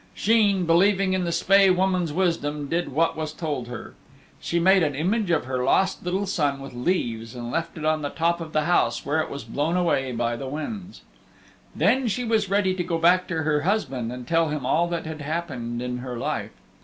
Sheen, believing in the Spae Woman's wisdom, did what was told her. She made an image of her lost little son with leaves and left it on the top of the house where it was blown away by the winds. Then she was ready to go back to her husband and tell him all that had happened in her life.